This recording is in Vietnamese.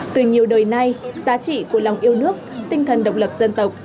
từ nhiều đời nay giá trị của lòng yêu nước tinh thần độc lập dân tộc